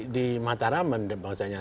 di mataraman bahwasanya